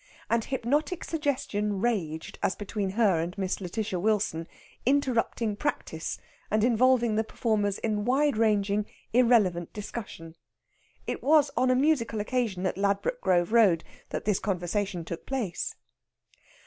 And hypnotic suggestion raged as between her and Miss Lætitia Wilson, interrupting practice, and involving the performers in wide ranging, irrelevant discussion. It was on a musical occasion at Ladbroke Grove Road that this conversation took place.